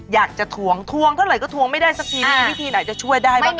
อยากจะทวงทวงเท่าไหร่ก็ทวงไม่ได้สักทีนึงวิธีไหนจะช่วยได้บ้าง